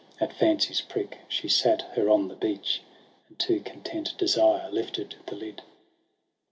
— At fancy's prick she sat her on the beach. And to content desire lifted the lid.